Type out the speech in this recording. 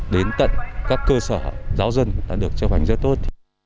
đến tận các cơ sở giáo dân đã được chấp hành rất tốt